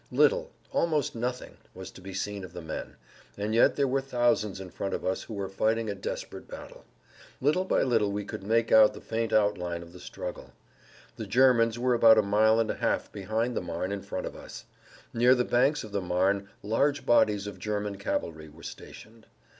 Little, almost nothing was to be seen of the men, and yet there were thousands in front of us who were fighting a desperate battle. Little by little we could make out the faint outline of the struggle. The Germans were about a mile and a half behind the Marne in front of us. Near the banks of the Marne large bodies of German cavalry were stationed.